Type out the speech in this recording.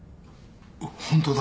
本当だ。